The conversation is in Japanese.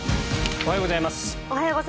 おはようございます。